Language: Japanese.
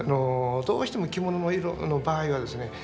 どうしても着物の色の場合はですね